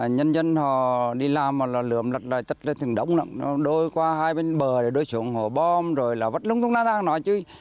nhân dân họ đi làm là lượm lật lật chất lên thường đống lận đôi qua hai bên bờ để đôi xuống hồ bom rồi là vật lúc lúc la la nói chứ